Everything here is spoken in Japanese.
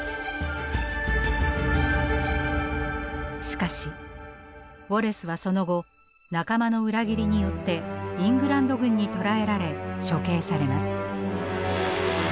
しかしウォレスはその後仲間の裏切りによってイングランド軍に捕らえられ処刑されます。